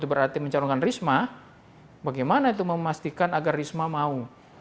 berarti mencalonkan risma bagaimana itu memastikan agar risma mau